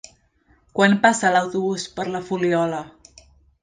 Quan passa l'autobús per la Fuliola?